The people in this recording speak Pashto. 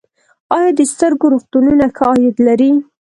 آیا د سترګو روغتونونه ښه عاید لري؟